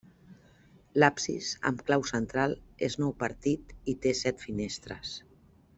L'absis, amb clau central, és nou partit i té set finestres.